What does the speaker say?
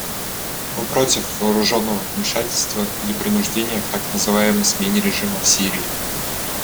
Мы против вооруженного вмешательства или принуждения к так называемой смене режима в Сирии.